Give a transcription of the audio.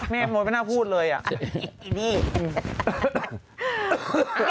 แม้โมดไม่น่าพูดเลยอะ